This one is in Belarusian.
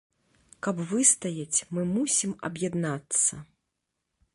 Каб выстаяць, мы мусім аб'яднацца.